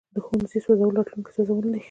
د ښوونځي سوځول راتلونکی سوځول دي.